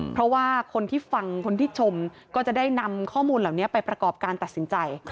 เพราะว่าคนที่ฟังคนที่ชมก็จะได้นำข้อมูลเหล่านี้ไปประกอบการตัดสินใจ